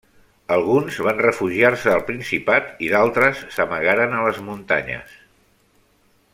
Alguns van refugiar-se al Principat i d'altres s'amagaren a les muntanyes.